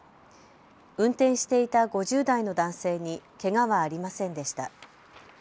運転していた５０代の男性にけがはありませんでした。